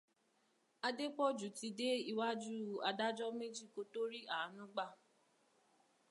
Adépọ̀jù ti dé iwájú adájọ́ méjì kó tó rí àánú gbà